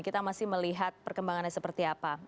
kita masih melihat perkembangannya seperti apa